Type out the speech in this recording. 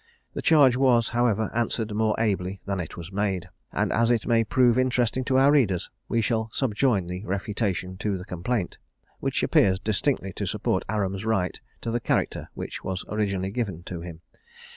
The charge was, however, answered more ably than it was made; and as it may prove interesting to our readers, we shall subjoin the refutation to the complaint, which appears distinctly to support Aram's right to the character which was originally given to him.